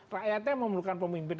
rakyatnya memerlukan pemimpin